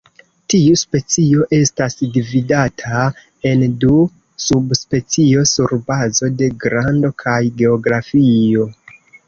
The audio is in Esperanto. Tiu specio estas dividata en du subspecioj sur bazo de grando kaj geografio.